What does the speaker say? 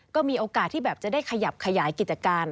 ก็มีโอกาสที่แบบจะได้ขยับขยายกิจการ